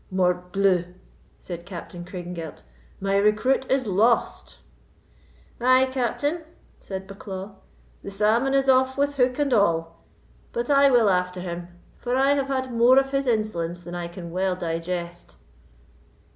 "Mortbleu!" said Captain Craigengelt, "my recruit is lost!" "Ay, Captain," said Bucklaw, "the salmon is off with hook and all. But I will after him, for I have had more of his insolence than I can well digest."